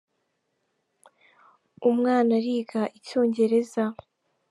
Umwana ariga icyongereza.